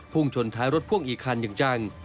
ชนท้ายรถพ่วงอีกคันอย่างจัง